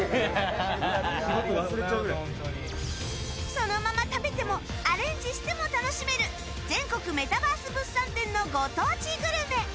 そのまま食べてもアレンジしても楽しめる「全国メタバース物産展」のご当地グルメ。